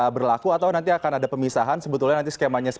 selama ini pun tidak bisa sebebas bebasnya